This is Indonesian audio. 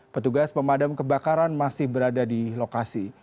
petugas pemadam kebakaran masih berada di lokasi